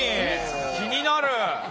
気になる！